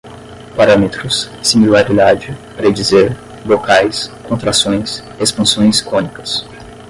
parâmetros, similaridade, predizer, bocais, contrações, expansões cônicas